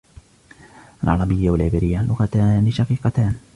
العربية و العبرية لغتان شقيقتان.